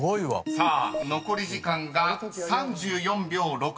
［さあ残り時間が３４秒６７］